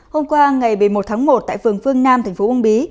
hôm qua ngày một mươi một tháng một tại phường phương nam tp uông bí